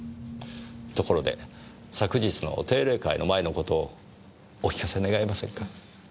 ところで昨日の定例会の前のことをお聞かせ願えませんか？